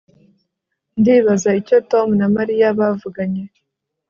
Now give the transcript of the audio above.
Ndibaza icyo Tom na Mariya bavuganye